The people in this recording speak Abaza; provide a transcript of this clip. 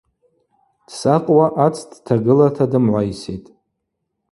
Дсакъуа ац дтагылата дымгӏвайситӏ.